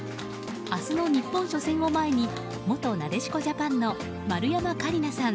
明日の日本初戦を前に元なでしこジャパンの丸山桂里奈さん